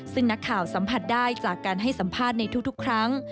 ซึ่งนักข่าวสัมผัสได้จากการให้สัมภาษณ์ในทุกครั้ง